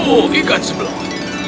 oh ikan sebelah